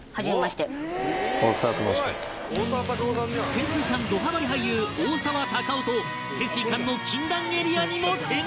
潜水艦どハマり俳優大沢たかおと潜水艦の禁断エリアにも潜入！